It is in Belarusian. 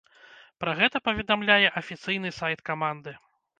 Пра гэта паведамляе афіцыйны сайт каманды.